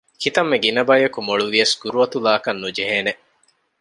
ކިތަންމެ ގިނަ ބަޔަކު މޮޅުވިޔަސް ގުރުއަތުލާކަށް ނުޖެހޭނެ